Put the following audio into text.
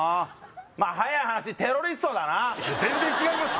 まあ早い話テロリストだないや全然違います